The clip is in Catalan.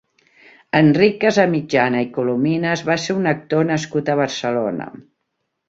Enric Casamitjana i Colominas va ser un actor nascut a Barcelona.